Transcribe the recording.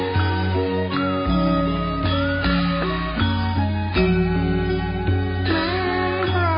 ทรงเป็นน้ำของเรา